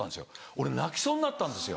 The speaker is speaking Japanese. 俺泣きそうになったんですよ。